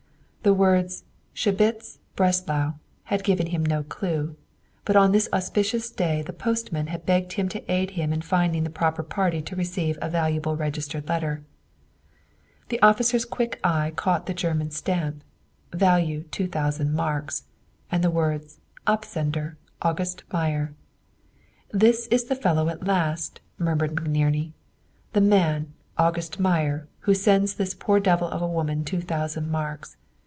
The words "Schebitz Breslau" had given him no clue; but on this auspicious day the postman had begged him to aid him in finding the proper party to receive a valuable registered letter. The officer's quick eye caught the German stamp, "Value 2000 marks," and the words, "Absender, August Meyer." "This is the fellow at last," muttered McNerney. "The man, August Meyer, who sends this poor devil of a woman two thousand marks.